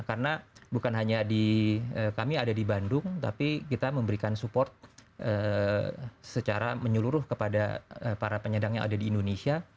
karena bukan hanya di kami ada di bandung tapi kita memberikan support secara menyeluruh kepada para penyandang yang ada di indonesia